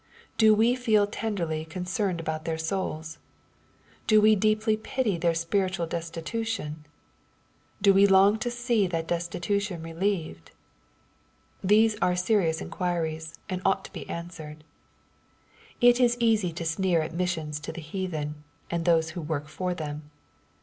Do we feel tenderly concerned about their souls ? Do we deeply pity their spiritual destitution ? Do we long to see that destitution relieved ? These are serious inquiries, and ought to be answered. It is easy to sneer at missions to the heathen, and those who work for them.